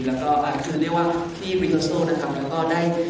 และก็คือเรียกว่าที่พิเตอร์โซแล้วก็ได้